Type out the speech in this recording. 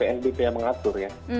ya pnbp yang mengatur ya